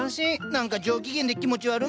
何か上機嫌で気持ち悪いなあ。